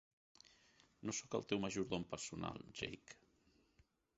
No soc el teu majordom personal, Jake.